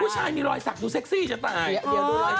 ผู้ชายมีรอยสักดูเซ็กซี่จะตาย